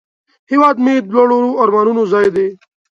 هیواد مې د لوړو آرمانونو ځای دی